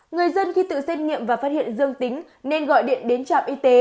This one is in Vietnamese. người dân khi tự xét nghiệm và phát hiện dương tính nên gọi điện đến trạm y tế